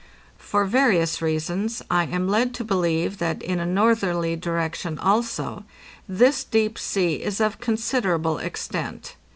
For various reasons, I am led to believe that in a northerly direction also this deep sea is of considerable extent.